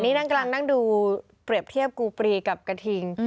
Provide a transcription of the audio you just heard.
นี่นั่งกำลังนั่งดูเปรียบเทียบกูปรีกับกระทิง